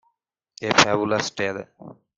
A Fabulous tale.